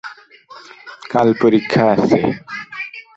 কাল পরীক্ষা আছে।